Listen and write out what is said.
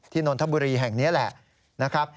นนทบุรีแห่งนี้แหละนะครับ